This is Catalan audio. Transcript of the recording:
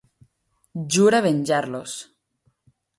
Jura venjar-los.